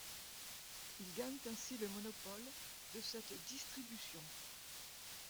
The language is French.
Ils gagnent ainsi le monopole de cette distribution.